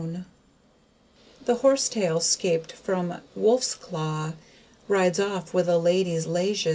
The HORSE TAIL, 'scaped from WOLFE'S CLAW, Rides off with a LADIES' LAGES.